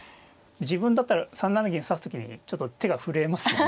自分だったら３七銀指す時にちょっと手が震えますよね。